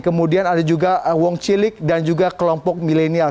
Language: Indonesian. kemudian ada juga wong cilik dan juga kelompok milenial